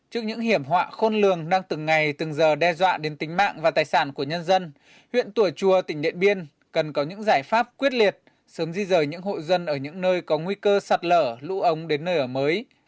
trước những hiểm họa khôn lường đang từng ngày từng giờ đe dọa đến tính mạng và tài sản của nhân dân huyện tùa chùa tỉnh điện biên cần có những giải pháp quyết liệt sớm di rời những hộ dân ở những nơi có nguy cơ sạt lở lũ ống đến nơi ở mới